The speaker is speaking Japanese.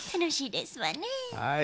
はい。